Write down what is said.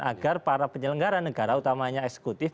agar para penyelenggara negara utamanya eksekutif